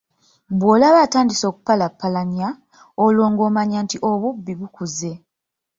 Bw'olaba atandise okupalapalanya, olwo ng'omanya nti obubbi bukuze.